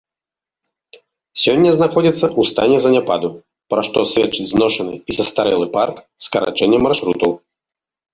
Сёння знаходзіцца ў стане заняпаду, пра што сведчаць зношаны і састарэлы парк, скарачэнне маршрутаў.